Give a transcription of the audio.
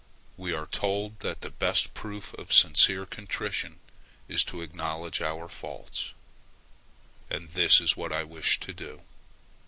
We are told that the best proof of sincere contrition is to acknowledge our faults; and this is what I wish to do.